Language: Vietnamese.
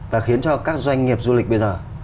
và khiến cho các doanh nghiệp du lịch bây giờ